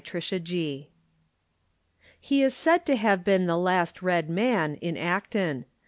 THE VANISHING RED He is said to have been the last Red Man In Acton.